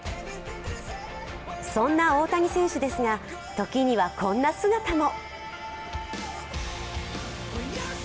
そんな大谷選手ですが時にはこんな姿も。